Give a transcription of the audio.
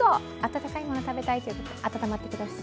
温かいもの食べたいということで温まってください。